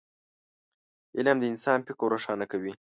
علم د انسان فکر روښانه کوي